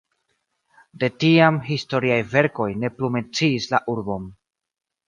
De tiam historiaj verkoj ne plu menciis la urbon.